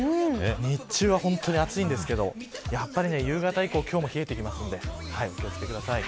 日中は本当に暑いんですけど夕方以降、今日も冷えてきますのでお気を付けください。